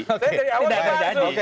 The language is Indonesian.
saya dari awal masuk